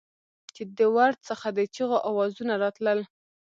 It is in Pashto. چې د ورد څخه د چېغو اوزونه راتلل.